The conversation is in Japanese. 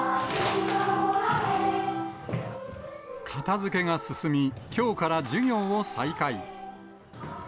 片づけが進み、きょうから授業を再開。